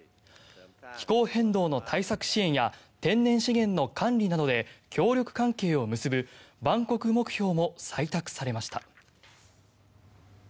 気候変動の対策支援や天然資源の管理などで協力関係を結ぶバンコク目標も採択されました。